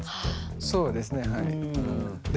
そうですねはい。